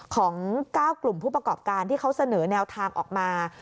ของ๙กลุ่มผู้ประกอบการที่เขาเสนอแนวทางออกมา